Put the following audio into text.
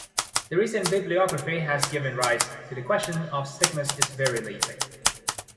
The recent bibliography has given rise to the question of stigmas is very leafy.